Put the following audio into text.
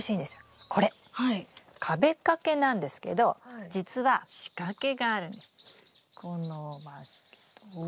これ壁掛けなんですけどじつは仕掛けがあるんです。